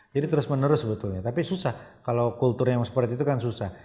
jadi terus menerus sebetulnya tapi susah kalau kultur yang seperti itu kan susah